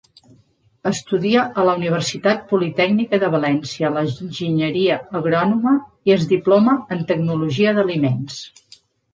Estudia a la Universitat Politècnica de València l'enginyeria agrònoma i es diploma en tecnologia d'aliments.